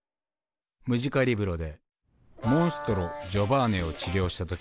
ムジカリブロでモンストロジョバーネを治療した時だ。